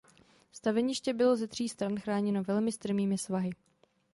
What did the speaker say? Staveniště bylo ze tří stran chráněno velmi strmými svahy.